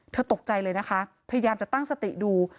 ตกใจเลยนะคะพยายามจะตั้งสติดู